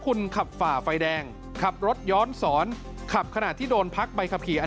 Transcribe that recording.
คุณขับฝ่าไฟแดงขับรถย้อนสอนขับขณะที่โดนพักใบขับขี่อัน